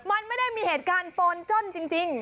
มันไม่ได้มีเหตุการณ์โปนจ้นจริง